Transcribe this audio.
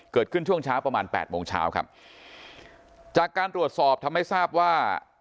เกิดขึ้นช่วงเช้าประมาณแปดโมงเช้าครับจากการตรวจสอบทำให้ทราบว่า